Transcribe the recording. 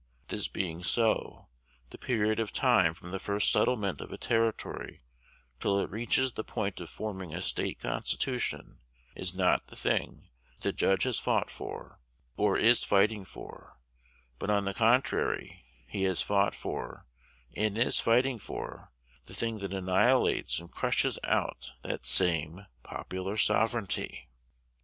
This being so, the period of time from the first settlement of a territory till it reaches the point of forming a State constitution is not the thing that the Judge has fought for, or is fighting for; but, on the contrary, he has fought for, and is fighting for, the thing that annihilates and crushes out that same popular sovereignty."